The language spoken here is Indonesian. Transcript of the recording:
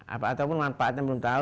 ataupun manfaatnya belum tahu